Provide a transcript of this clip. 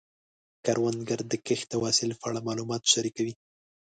کروندګر د کښت او حاصل په اړه معلومات شریکوي